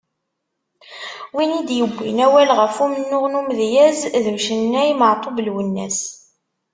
Win i d-yewwin awal ɣef umennuɣ n umedyaz d ucennay Meɛtub Lwennas.